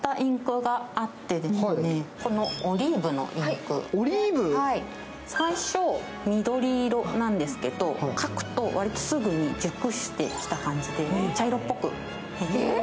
オリーブのインク、最初緑色なんですけど、書くと割とすぐ熟してきた感じで茶色っぽく。